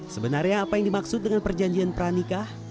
sebenarnya apa yang dimaksud dengan perjanjian pranikah